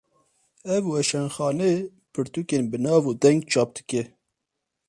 Ev weşanxane, pirtûkên bi nav û deng çap dike